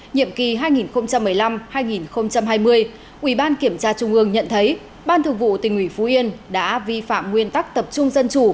nhiệm kỳ hai nghìn một mươi năm hai nghìn hai mươi ubkt nhận thấy ban thường vụ tình uỷ phú yên đã vi phạm nguyên tắc tập trung dân chủ